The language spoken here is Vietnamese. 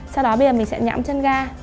sau đó bây giờ mình sẽ nhẫm chân ga